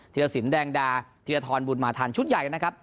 ธิรษิรแดงดาธิริษฐรบุรมาธรรมชุดใหญ่นะครับ